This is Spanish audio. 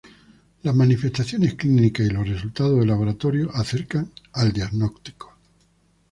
Las manifestaciones clínicas y los resultados de laboratorio acercan al diagnóstico.